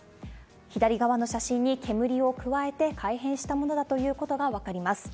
左側の写真に煙を加えて、改編したものだということが分かります。